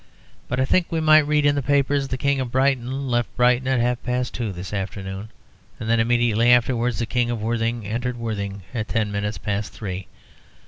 But I think we might read in the papers: "The King of Brighton left Brighton at half past two this afternoon," and then immediately afterwards, "The King of Worthing entered Worthing at ten minutes past three."